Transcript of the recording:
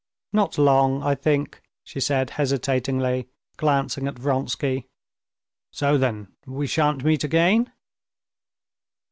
"Not long, I think," she said hesitatingly, glancing at Vronsky. "So then we shan't meet again?"